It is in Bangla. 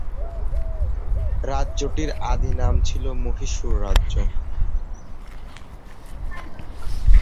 রাজ্যটির আদি নাম ছিল "মহীশূর রাজ্য"।